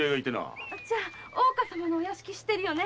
じゃあ大岡様のお屋敷知ってるよね。